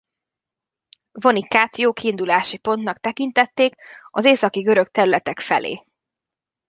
Vonicát jó kiindulási pontnak tekintették az északi görög területek felé.